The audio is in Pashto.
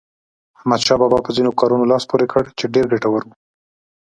احمدشاه بابا په ځینو کارونو لاس پورې کړ چې ډېر ګټور وو.